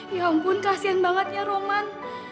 ya ampun kasian banget ya roman